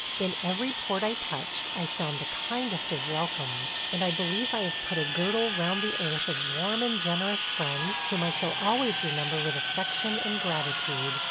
In every port I touched I found the kindest of welcomes, and I believe I have put a girdle round the earth of warm and generous friends whom I shall always remember with affection and gratitude.